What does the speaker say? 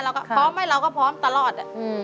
เราก็พร้อมไหมเราก็พร้อมตลอด